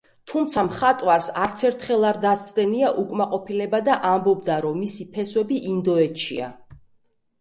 თუმცა მხატვარს არცერთხელ არ დასცდენია უკმაყოფილება და ამბობდა, რომ მისი ფესვები ინდოეთშია.